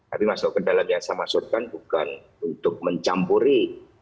tapi masuk ke dalam yang saya maksudkan bukan untuk mencampuri